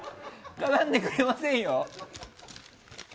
絡んでくれませんよ。